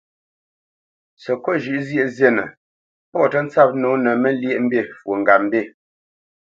Səkôt zhʉ̌ʼ zyēʼ zînə, pɔ̌ tə́ ntsǎp nǒ nə Məlyéʼmbî fwo ŋgapmbî.